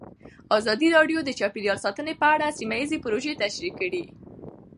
ازادي راډیو د چاپیریال ساتنه په اړه سیمه ییزې پروژې تشریح کړې.